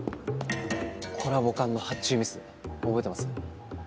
コラボ缶の発注ミス覚えてます？